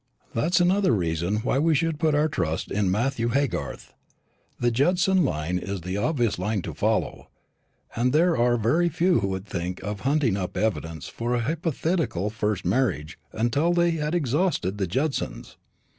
That's another reason why we should put our trust in Matthew Haygarth. The Judson line is the obvious line to follow, and there are very few who would think of hunting up evidence for a hypothetical first marriage until they had exhausted the Judsons.